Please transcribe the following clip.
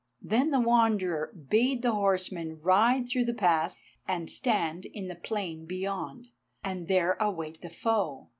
Then the Wanderer bade the horsemen ride through the pass and stand in the plain beyond, and there await the foe.